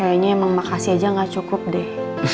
kayaknya emang makasih aja gak cukup deh